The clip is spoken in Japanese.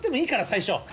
最初。